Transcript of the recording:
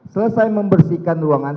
selesai membersihkan ruangan